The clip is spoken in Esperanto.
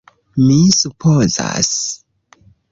Mi supozas...